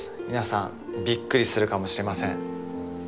皆さんびっくりするかもしれません。